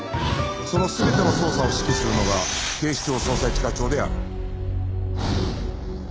その全ての捜査を指揮するのが警視庁捜査一課長である